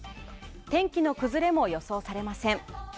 天気の崩れも予想されません。